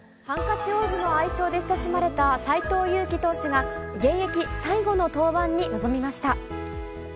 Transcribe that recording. ハンカチ王子の愛称で親しまれた斎藤佑樹投手が現役最後の登板に臨みました。